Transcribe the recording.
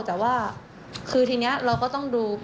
แต่ว่าคือทีนี้เราก็ต้องดู